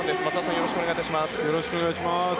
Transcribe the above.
よろしくお願いします。